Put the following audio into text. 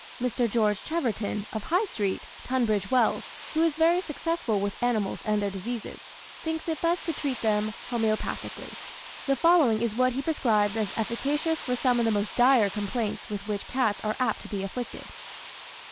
Mr. George Cheverton, of High Street, Tunbridge Wells, who is very successful with animals and their diseases, thinks it best to treat them homoeopathically. The following is what he prescribes as efficacious for some of the most dire complaints with which cats are apt to be afflicted.